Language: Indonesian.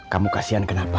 kamu kasian kenapa